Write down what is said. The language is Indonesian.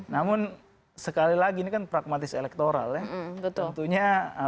namun sekali lagi ini kan pragmatis elektoral ya